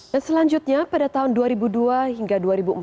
dan selanjutnya pada tahun dua ribu dua hingga dua ribu empat